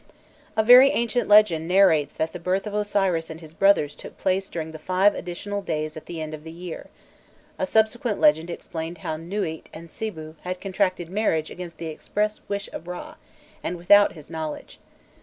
A very ancient legend narrates that the birth of Osiris and his brothers took place during the five additional days at the end of the year; a subsequent legend explained how Nûît and Sibû had contracted marriage against the express wish of Râ, and without his knowledge.